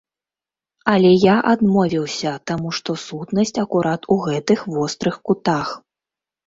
Але я адмовіўся, таму што сутнасць акурат у гэтых вострых кутах.